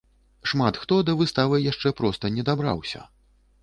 Шмат хто да выставы яшчэ проста не дабраўся.